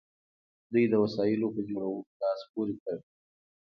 دوی د وسایلو په جوړولو لاس پورې کړ.